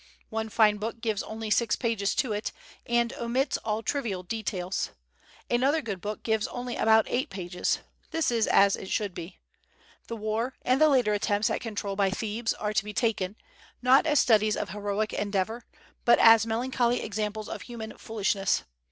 One fine book gives only six pages to it, and omits all trivial details. Another good book gives only about eight pages. This is as it should be. That war, and the later attempts at control by Thebes are to be taken, not as studies of heroic endeavor, but as melancholy examples of human foolishness.